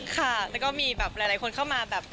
ค่ะแล้วก็มีแบบหลายคนเข้ามาแบบ